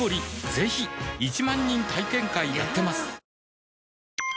ぜひ１万人体験会やってますはぁ。